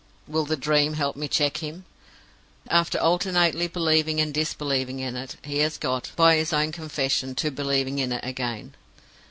Will the Dream help me to check him? After alternately believing and disbelieving in it, he has got, by his own confession, to believing in it again.